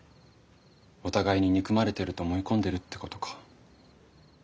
お互いに憎まれてると思い込んでるってことか。